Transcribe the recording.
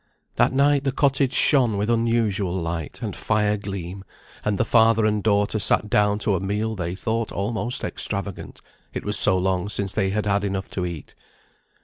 That night the cottage shone with unusual light, and fire gleam; and the father and daughter sat down to a meal they thought almost extravagant. It was so long since they had had enough to eat.